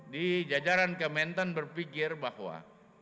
di jajaran kementan berpikir bahwa